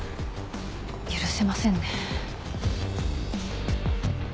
許せませんね。